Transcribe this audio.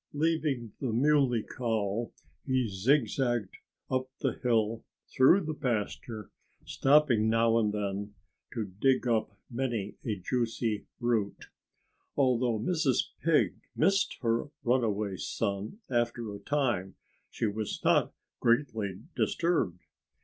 Leaving the Muley Cow, he zigzagged up the hill through the pasture, stopping now and then to dig up many a juicy root. Although Mrs. Pig missed her runaway son after a time, she was not greatly disturbed.